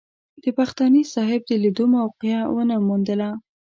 د بختاني صاحب د لیدو موقع ونه موندله.